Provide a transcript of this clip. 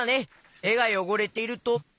てがよごれていると？